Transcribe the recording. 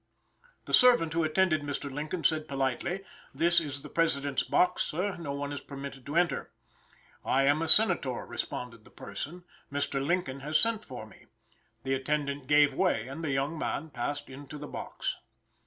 The servant who attended Mr. Lincoln said politely, "this is the President's box, sir, no one is permitted to enter." "I am a senator," responded the person, "Mr. Lincoln has sent for me." The attendant gave way, and the young man passed into the box.